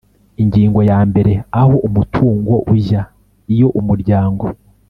Ingingo yambere Aho umutungo ujya iyo umuryango